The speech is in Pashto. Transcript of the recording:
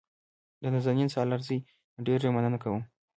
د نازنین سالارزي نه ډېره مننه کوم.